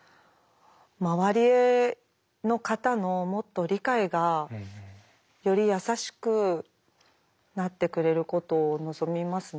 周りの方のもっと理解がより優しくなってくれることを望みますね。